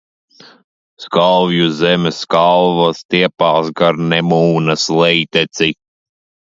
Skalvju zeme Skalva stiepās gar Nemūnas lejteci.